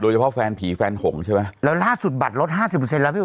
เฉพาะแฟนผีแฟนหงใช่ไหมแล้วล่าสุดบัตรลดห้าสิบเปอร์เซ็นแล้วพี่